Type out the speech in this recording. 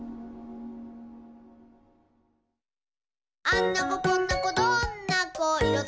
「あんな子こんな子どんな子いろ